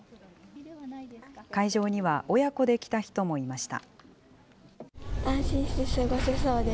会場には親子で来た人もいました。